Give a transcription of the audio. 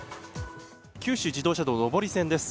九州自動車道上り線です。